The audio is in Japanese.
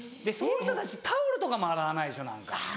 そういう人たちタオルとかも洗わないでしょ何か。